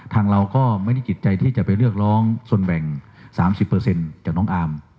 ทางเราก็ไม่ได้จิตใจที่จะไปเรียกร้องส่วนแบ่ง๓๐จากน้องอาร์ม